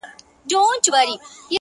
o زړه راته زخم کړه. زارۍ کومه.